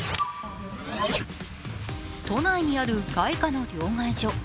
都内にある外貨の両替所。